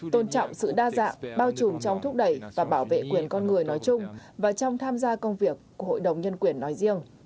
tôn trọng sự đa dạng bao trùm trong thúc đẩy và bảo vệ quyền con người nói chung và trong tham gia công việc của hội đồng nhân quyền nói riêng